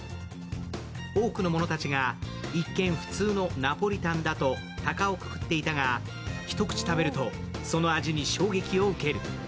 多くの者たちが一見普通のナポリタンだと高をくくっていたが一口食べると、その味に衝撃を受ける。